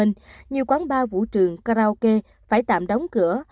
nhiều quán bar vũ trường karaoke phải tạm đóng cửa